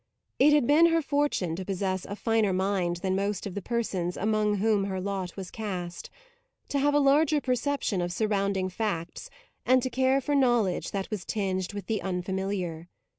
It had been her fortune to possess a finer mind than most of the persons among whom her lot was cast; to have a larger perception of surrounding facts and to care for knowledge that was tinged with the unfamiliar.